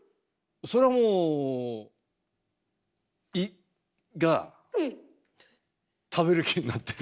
それはもう食べる気になってる。